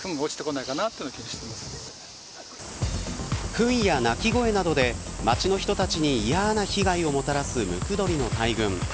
ふんや鳴き声などで街の人たちに嫌な被害をもたらすムクドリの大群。